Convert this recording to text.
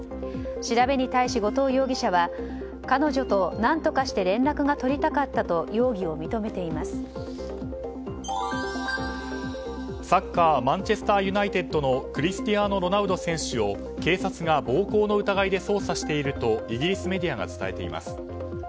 調べに対し後藤容疑者は彼女と何とかして連絡が取りたかったとサッカーマンチェスター・ユナイテッドのクリスティアーノ・ロナウド選手を警察が暴行の疑いで捜査しているとイギリスメディアが伝えています。